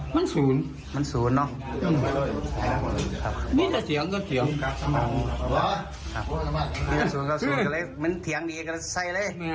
มันเถียงดีกันใส่เลย